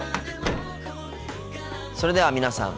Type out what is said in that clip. それでは皆さん